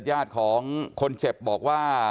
ญาติของคนเจ็บบอกว่า